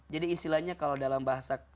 jadi istilahnya kalau dalam bahasa